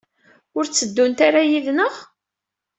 Ur tteddunt ara yid-neɣ?